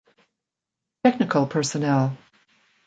Technical personnel